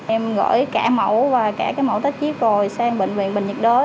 em gửi cả mẫu và cả cái mẫu tết chip rồi sang bệnh viện bệnh nhiệt đới